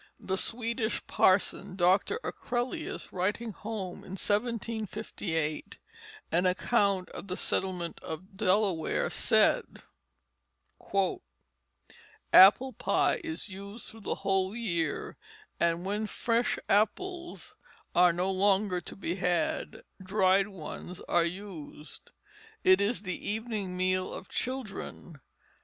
The Swedish parson, Dr. Acrelius, writing home in 1758 an account of the settlement of Delaware, said: "Apple pie is used through the whole year, and when fresh apples are no longer to be had, dried ones are used. It is the evening meal of children.